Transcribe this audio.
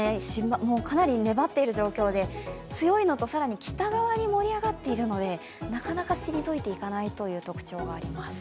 かなり粘っている状況で強いのと、更に北側にいるのでなかなか退いていかないという特徴があります